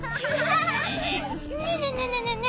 ねえねえねえねえ。